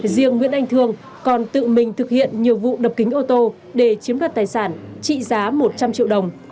riêng nguyễn anh thương còn tự mình thực hiện nhiều vụ đập kính ô tô để chiếm đoạt tài sản trị giá một trăm linh triệu đồng